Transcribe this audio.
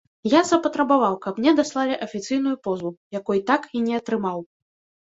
Я запатрабаваў, каб мне даслалі афіцыйную позву, якой так і не атрымаў.